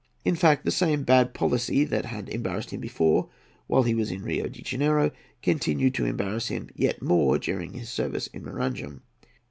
In fact, the same bad policy that had embarrassed him before, while he was in Rio de Janeiro, continued to embarrass him yet more during his service in Maranham.